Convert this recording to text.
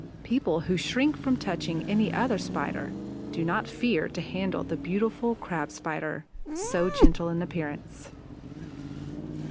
People who shrink from touching any other Spider do not fear to handle the beautiful Crab Spider, so gentle in appearance.